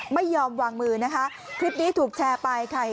ไม่ยอมวางมือคลิปนี้ถูกแชร์ไป